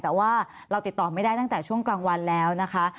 แต่ว่าเราติดต่อไม่ได้ตั้งแต่ช่วงกลางวันแล้วนะคะ